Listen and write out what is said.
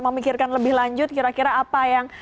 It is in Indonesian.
memikirkan lebih lanjut kira kira apa yang